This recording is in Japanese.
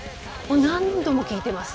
何度も聴いています。